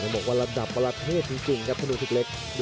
บอกว่าระดับประเทศจริงครับธนูศึกเล็ก